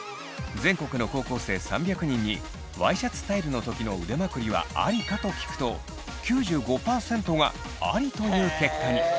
全国の高校生３００人に「ワイシャツスタイルの時の腕まくりはありか？」と聞くと９５％がありという結果に。